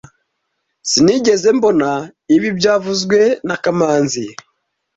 Sinigeze mbona ibi byavuzwe na kamanzi